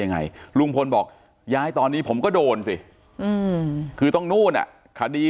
ยังไงลุงพลบอกย้ายตอนนี้ผมก็โดนสิคือต้องนู่นอ่ะคดี